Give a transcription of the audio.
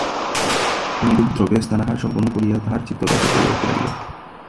নিরুপদ্রবে স্নানাহার সম্পন্ন করিয়া তাঁহার চিত্ত ব্যাকুল হইয়া উঠিতে লাগিল।